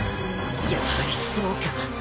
やはりそうか。